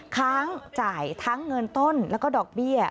ค้างจ่ายทั้งเงินต้นแล้วก็ดอกเบี้ย